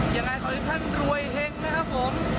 ยังไงคอนลิฟทวิทย์รวยเหงนะครับผม